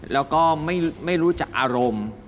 แล้วก็ไม่รู้จักอารมณ์